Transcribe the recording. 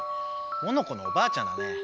モノコのおばあちゃんだね。